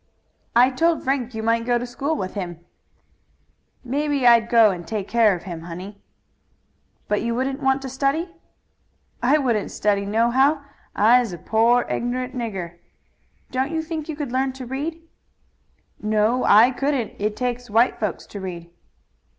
"I told Frank you might go to school with him." "Maybe I'd go and take care of him, honey." "But you wouldn't want to study?" "I wouldn't study nohow. I's a poor, ignorant nigger." "Don't you think you could learn to read?" "No, I couldn't. It takes white folks to read."